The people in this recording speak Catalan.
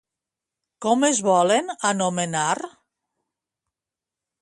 Com es volen anomenar?